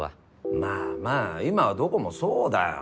まあまあ今はどこもそうだよ。